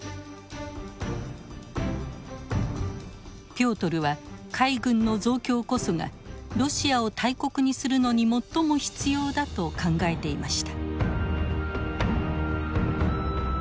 ピョートルは海軍の増強こそがロシアを大国にするのに最も必要だと考えていました。